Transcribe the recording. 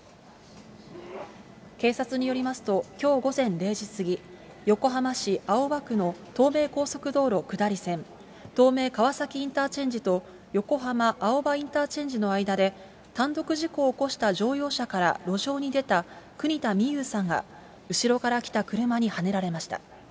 警察によりますと、きょう午前０時過ぎ、横浜市青葉区の東名高速道路下り線、東名川崎インターチェンジと横浜青葉インターチェンジの間で、単独事故を起こした乗用車から路上に出た国田美佑さんが後ろから来た車にはねられました。